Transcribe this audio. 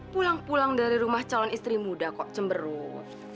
pulang pulang dari rumah calon istri muda kok cemberut